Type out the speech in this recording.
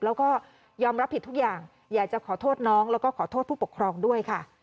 แล้วก็ยอมรับผิดทุกอย่างอยากจะขอโทษน้องแล้วก็ขอโทษผู้ปกครองด้วยค่ะ